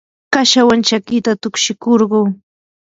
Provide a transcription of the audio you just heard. kashawanmi chakita tukshikurquu.